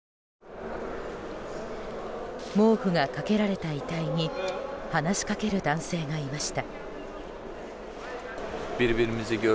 毛布が掛けられた遺体に話しかける男性がいました。